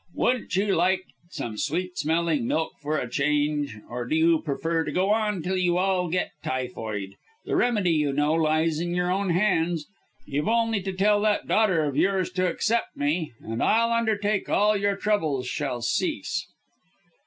Wouldn't you like some sweet smelling milk for a change, or do you prefer to go on till you all get typhoid? The remedy, you know, lies in your own hands. You've only to tell that daughter of yours to accept me, and I'll undertake all your troubles shall cease."